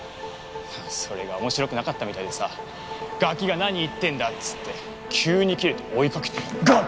はぁそれが面白くなかったみたいでさガキが何言ってんだつって急にキレて追いかけてがっ！